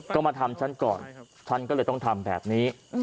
ก็มาทำฉันก่อนฉันก็เลยต้องทำแบบนี้